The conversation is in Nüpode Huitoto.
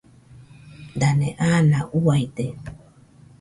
Dane ana uaide